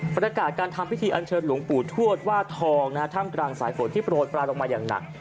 ประกาศการทำพิธีอันเชิญหลวงปู่ทวดว่าทองท่ามกลางสายฝนที่โปรดปลายลงมาอย่างหนัก